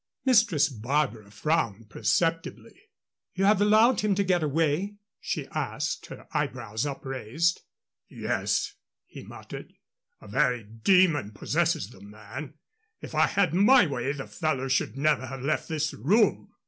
Mistress Barbara frowned perceptibly. "You have allowed him to get away?" she asked, her eyebrows upraised. "Yes," he muttered; "a very demon possesses the man. If I had my way the fellow should never have left this room."